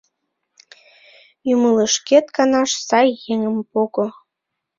Ӱмылышкет канаш сай еҥым пого